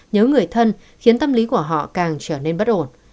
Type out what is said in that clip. nhớ người thân khiến tâm lý của họ càng trở nên bất ổn